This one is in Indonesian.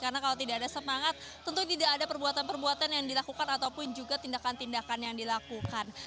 karena kalau tidak ada semangat tentu tidak ada perbuatan perbuatan yang dilakukan ataupun juga mengambil kebijakan